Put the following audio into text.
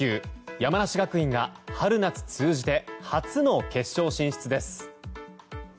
山梨学院が春夏通じて初の決勝進出です。